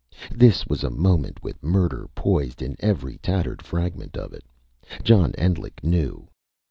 This was a moment with murder poised in every tattered fragment of it. John Endlich knew.